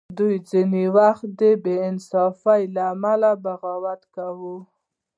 دوی ځینې وخت د بې انصافۍ له امله بغاوت کاوه.